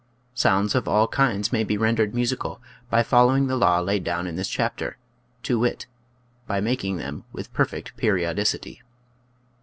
Sounds of all kinds may be rendered musi cal by following the law laid down in this chapter, to wit: By making them with per fect periodicity.